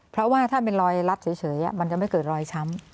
เพราะว่าถ้าเป็นรอยรัดเฉยมันจะไม่เกิดรอยช้ำ